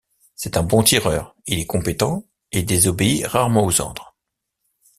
C'est un bon tireur, il est compétent et désobéit rarement aux ordres.